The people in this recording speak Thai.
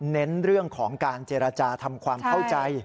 เน้นเรื่องของการเจรจาทำความเข้าใจ